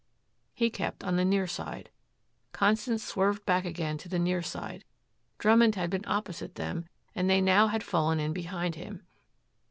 He kept on the near side. Constance swerved back again to the near side. Drummond had been opposite them and they had now fallen in behind him.